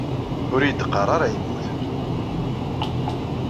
Ur iyi-d-qqar ara yemmut.